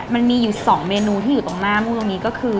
มันมีอยู่๒เมนูที่อยู่ตรงหน้ามูตรงนี้ก็คือ